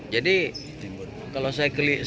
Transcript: jadi kalau sekilas saya lihat itu